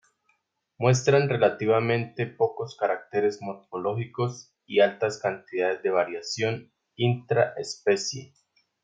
Muestran relativamente pocos caracteres morfológicos y altas cantidades de variación intra-especie.